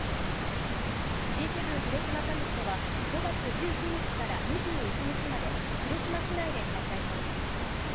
Ｇ７広島サミットは５月１９日から２１日まで広島市内で開催されます。